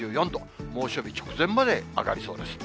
猛暑日直前まで上がりそうです。